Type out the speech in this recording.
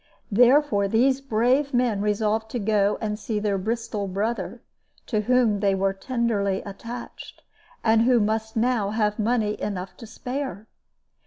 Therefore these brave men resolved to go and see their Bristol brother, to whom they were tenderly attached, and who now must have money enough and to spare.